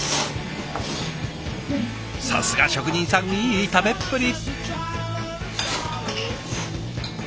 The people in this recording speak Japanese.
さすが職人さんいい食べっぷり！